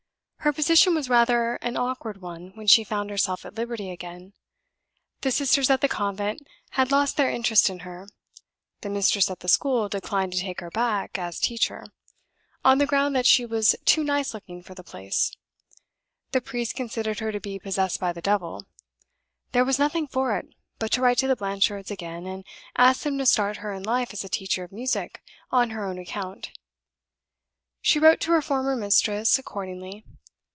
Her position was rather an awkward one when she found herself at liberty again. The sisters at the convent had lost their interest in her; the mistress at the school declined to take her back as teacher, on the ground that she was too nice looking for the place; the priest considered her to be possessed by the devil. There was nothing for it but to write to the Blanchards again, and ask them to start her in life as a teacher of music on her own account. She wrote to her former mistress accordingly.